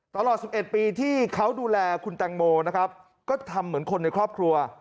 ตลอด๑๑ปีที่เขาดูแลคุณแตงโมนะครับก็ทำเหมือนคนในครอบครัว